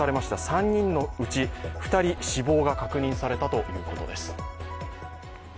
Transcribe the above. ３人のうち２人死亡が確認されたということです。